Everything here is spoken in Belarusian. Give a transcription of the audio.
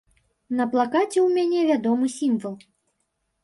На плакаце ў мяне вядомы сімвал.